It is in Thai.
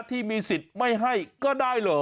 ที่มีสิทธิ์ไม่ให้ก็ได้เหรอ